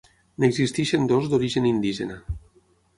N'existeixen dues d'origen indígena.